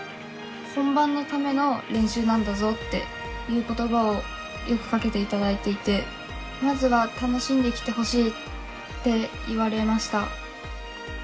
「本番のための練習なんだぞ」っていう言葉をよくかけていただいていて「まずは楽しんできてほしい」って言われました。